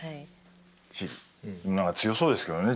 何か強そうですけどね